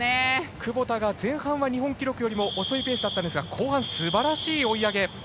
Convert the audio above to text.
窪田が前半は日本記録よりも遅いペースだったんですが後半、すばらしい追い上げ。